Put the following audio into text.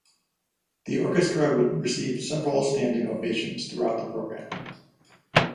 The orchestra would receive several standing ovations throughout the program.